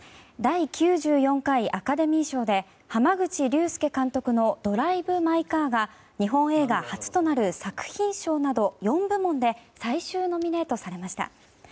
第９４回アカデミー賞で濱口竜介監督の「ドライブ・マイ・カー」が日本映画初となる作品賞など４部門で最終ノミネートされました。